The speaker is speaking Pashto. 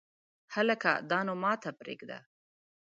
هلکه دا نو ماته پرېږده !